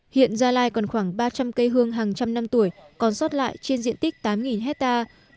hiện gia lai còn khoảng ba trăm linh cây hương hàng trăm năm tuổi còn sót lại trên diện tích tám hectare